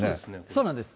そうなんです。